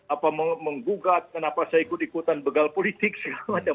apa menggugat kenapa saya ikut ikutan begal politik segala macam